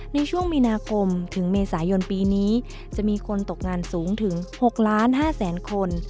ในช่วงมีนาคมถึงเมษายนปีนี้จะมีคนตกงานสูงถึง๖ล้าน๕แสนคน